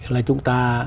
là chúng ta